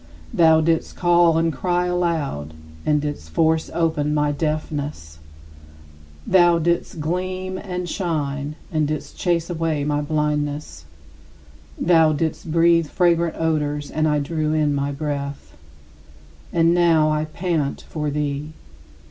Thou didst call and cry aloud, and didst force open my deafness. Thou didst gleam and shine, and didst chase away my blindness. Thou didst breathe fragrant odors and I drew in my breath; and now I pant for thee.